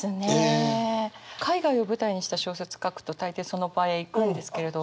海外を舞台にした小説書くと大抵その場へ行くんですけれど。